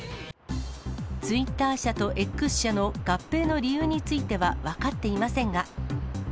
ツイッター社とＸ社の合併の理由については分かっていませんが。